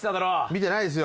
見てないですよ。